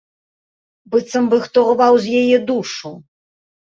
Быццам бы хто рваў з яе душу.